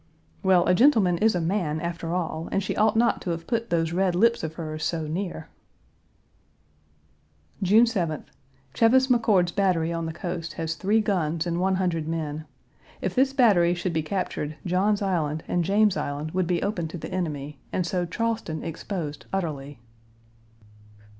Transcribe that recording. "Well, a gentleman is a man, after all, and she ought not to have put those red lips of hers so near." June 7th. Cheves McCord's battery on the coast has three guns and one hundred men. If this battery should be captured John's Island and James Island would be open to the enemy, and so Charleston exposed utterly.